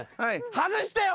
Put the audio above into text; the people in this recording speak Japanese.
外してよ